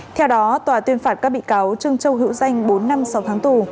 theo đó tòa tuyên phạt các bị cáo trương châu hữu danh bốn năm sáu tháng tù